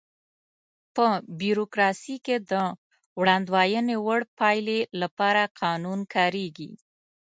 په بیوروکراسي کې د وړاندوينې وړ پایلې لپاره قانون کاریږي.